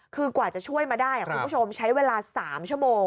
คือกว่าจะช่วยมาได้คุณผู้ชมใช้เวลา๓ชั่วโมง